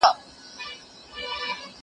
ورور وژلی ښه دئ، که گومل پري ايښی؟